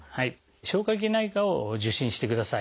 消化器内科を受診してください。